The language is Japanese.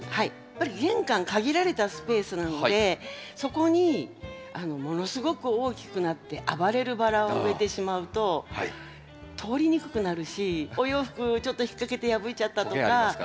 やっぱり玄関限られたスペースなのでそこにものすごく大きくなって暴れるバラを植えてしまうと通りにくくなるしお洋服ちょっと引っ掛けて破いちゃったとか。